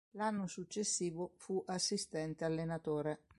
L'anno successivo fu assistente allenatore.